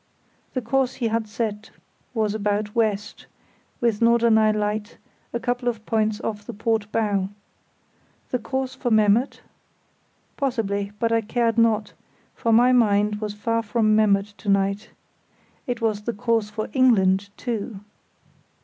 The course he had set was about west, with Norderney light a couple of points off the port bow. The course for Memmert? Possibly; but I cared not, for my mind was far from Memmert to night. _It was the course for England too.